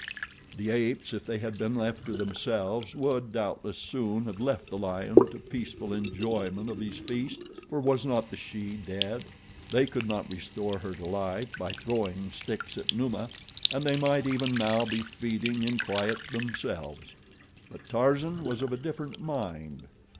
The apes, if they had been left to themselves, would doubtless soon have left the lion to peaceful enjoyment of his feast, for was not the she dead? They could not restore her to life by throwing sticks at Numa, and they might even now be feeding in quiet themselves; but Tarzan was of a different mind.